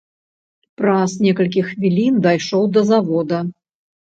Праз некалькі хвілін дайшоў да завода.